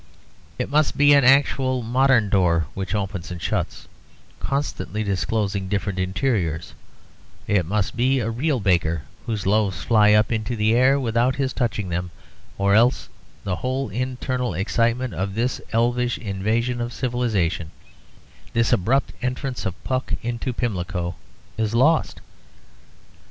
It must be an actual modern door which opens and shuts, constantly disclosing different interiors; it must be a real baker whose loaves fly up into the air without his touching them, or else the whole internal excitement of this elvish invasion of civilization, this abrupt entrance of Puck into Pimlico, is lost.